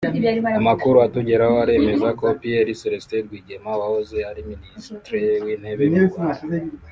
Amakuru atugeraho aremeza ko Pierre Céléstin Rwigema wahoze ari Ministre w’intere mu Rwanda